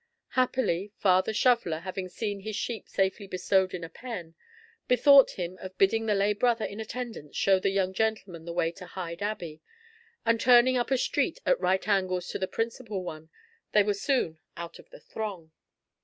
Happily, Father Shoveller, having seen his sheep safely bestowed in a pen, bethought him of bidding the lay brother in attendance show the young gentlemen the way to Hyde Abbey, and turning up a street at right angles to the principal one, they were soon out of the throng.